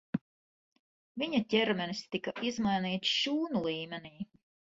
Viņa ķermenis tika izmainīts šūnu līmenī.